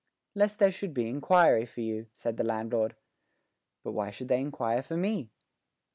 "Lest there should be inquiry for you," said the landlord. "But why should they inquire for me?"